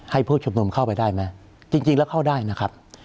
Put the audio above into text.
ผู้ชุมนุมเข้าไปได้ไหมจริงแล้วเข้าได้นะครับ